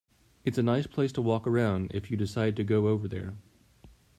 It's a nice place to walk around if you decide to go over there.